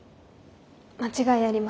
間違いありません。